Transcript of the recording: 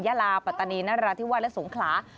ยาลาปัตตานีนราธิวาสและสงขลา